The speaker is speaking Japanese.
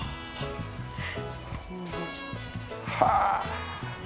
はあ。